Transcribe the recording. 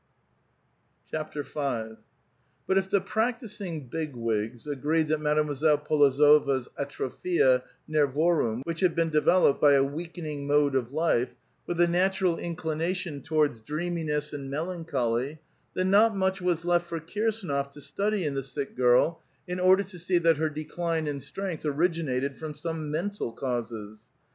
\ 408 A VITAL QUESTION. V. But if the practising Big Wigs agreed that Mademoiselle P61ozova'8 atrophia uercorum^ which had been developed by a weakening mode of life, with the natm'al inclination towaixls dreaminess and melancholy, then not mach was left for Kirsdnof to study in the sick girl in order to see that her decline in strength originated from some mental causes.